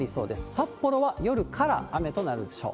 札幌は夜から雨となるでしょう。